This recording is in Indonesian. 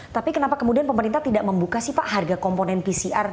tapi kenapa kemudian pemerintah tidak membuka sih pak harga komponen pcr